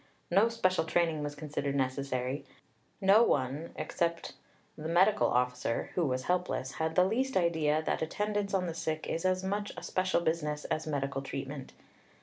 No special training was considered necessary; no one, except the medical officer, who was helpless, had the least idea that attendance on the sick is as much a special business as medical treatment.